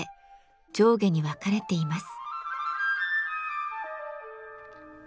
上下に分かれています。